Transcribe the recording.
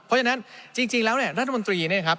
เพราะฉะนั้นจริงแล้วเนี่ยรัฐมนตรีเนี่ยนะครับ